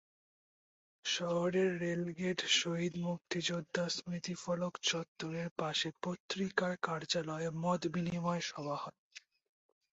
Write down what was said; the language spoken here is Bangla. শহরের রেলগেট শহীদ মুক্তিযোদ্ধা স্মৃতিফলক চত্বরের পাশে পত্রিকার কার্যালয়ে মতবিনিময় সভা হয়।